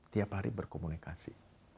tiap hari berkomunikasi